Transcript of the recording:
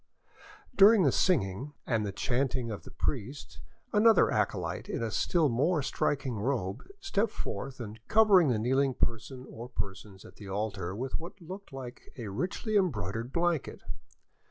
During the singing, and the chanting of the priest, another acolyte in a still more striking robe stepped forth and covered the kneeling person or persons at the altar with what looked like a richly embroidered blanket.